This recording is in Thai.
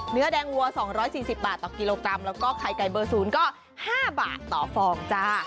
เนื้อแดงวัว๒๔๐บาทต่อกิโลกรัมแล้วก็ไข่ไก่เบอร์๐ก็๕บาทต่อฟองจ้า